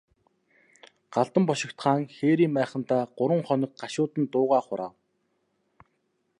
Галдан бошигт хаан хээрийн майхандаа гурван хоног гашуудан дуугаа хураав.